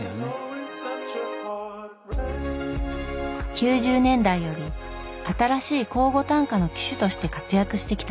９０年代より新しい口語短歌の旗手として活躍してきた穂村さん。